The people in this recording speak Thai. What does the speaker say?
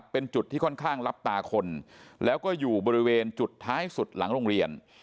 เป็นจุดที่ค่อนข้างลับตาคนแล้วก็อยู่บริเวณจุดท้ายสุดหลังโรงเรียน